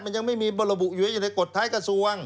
มันยังไม่มีบรรบุอยู่ในกฎท้ายกระทรวง